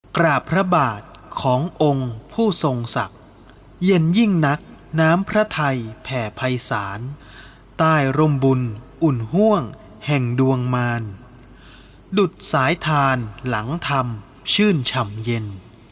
กราบพระบาทขององค์ผู้ทรงศักดิ์เย็นยิ่งนักน้ำพระไทยแผ่ภัยศาลใต้ร่มบุญอุ่นห่วงแห่งดวงมารดุดสายทานหลังธรรมชื่นฉ่ำเย็น